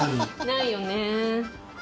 ないよね。